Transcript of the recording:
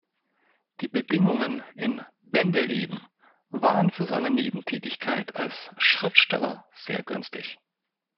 Die Bedingungen in Bendeleben waren für seine Nebentätigkeit als Schriftsteller sehr günstig.